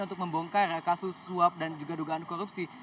untuk membongkar kasus suap dan juga dugaan korupsi